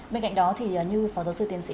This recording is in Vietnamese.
bên cạnh đó thì như phó giáo sư tiến sĩ